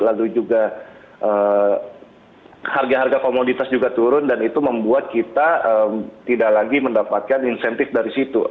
lalu juga harga harga komoditas juga turun dan itu membuat kita tidak lagi mendapatkan insentif dari situ